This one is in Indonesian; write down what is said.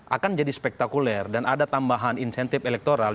akan jadi spektakuler dan ada tambahan insentif elektoral